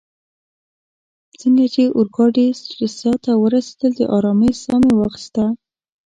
څنګه چي اورګاډې سټریسا ته ورسیدل، د آرامۍ ساه مې واخیسته.